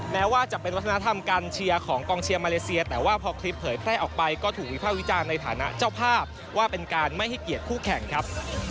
แม้ว่าจะเป็นวัฒนธรรมการเชียร์ของกองเชียร์มาเลเซียแต่ว่าพอคลิปเผยแพร่ออกไปก็ถูกวิภาควิจารณ์ในฐานะเจ้าภาพว่าเป็นการไม่ให้เกียรติคู่แข่งครับ